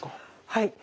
はい。